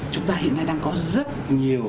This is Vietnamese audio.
chúng ta hiện nay đang có rất nhiều